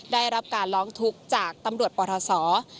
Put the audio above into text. ได้รับการร้องทุกข์จากตำรวจปทศ